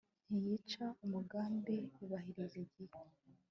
ntiyica umugambi, yubahiriza igihe